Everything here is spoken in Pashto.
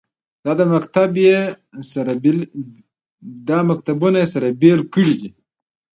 دا مکتبونه یې سره بېلې کړې دي.